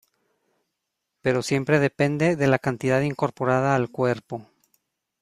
Pero siempre depende de la cantidad incorporada al cuerpo.